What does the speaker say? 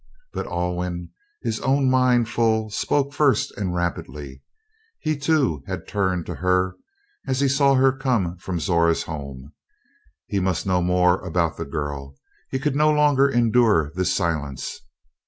But Alwyn, his own mind full, spoke first and rapidly. He, too, had turned to her as he saw her come from Zora's home. He must know more about the girl. He could no longer endure this silence.